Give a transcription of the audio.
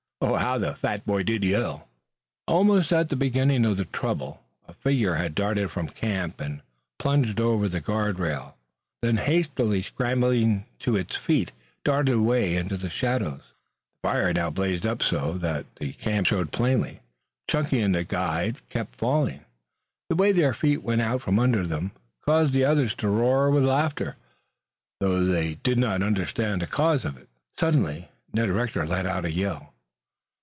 How the fat boy did yell! Almost at the beginning of the trouble a figure had darted from the camp and plunged over the guard rope. Then, hastily scrambling to its feet, darted away into the shadows. The fire had now blazed up so that the camp showed plainly. Chunky and the guide kept falling. The way their feet went out from under them caused the others to roar with laughter though they did not understand the cause at all. Suddenly, Ned Rector let out a yell.